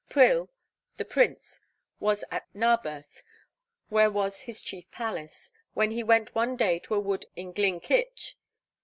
Pwyll, the Prince, was at Narberth, where was his chief palace, when he went one day to a wood in Glyn Cych.